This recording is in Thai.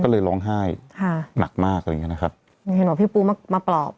ก็เลยร้องไห้ค่ะหนักมากเลยนะครับเห็นว่าพี่ปูมามาปลอบ